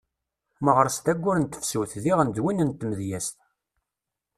Meɣres d ayyur n tefsut diɣen d win n tmedyezt.